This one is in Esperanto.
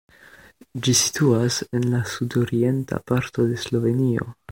Ĝi situas en la sudorienta parto de Slovenio.